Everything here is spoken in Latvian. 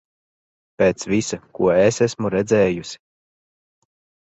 Pēc visa, ko es esmu redzējusi...